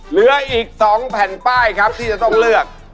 เหลืออีก๒แผ่นป้ายครับที่จะต้องเลือก